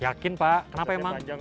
yakin pak kenapa emang